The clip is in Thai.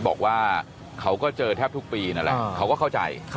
บอกว่าเขาก็เจอแทบทุกปีนั่นแหละเขาก็เข้าใจ